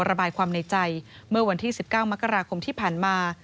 ระบายความในใจเมื่อวันที่๑๙มกราคมที่ผ่านมา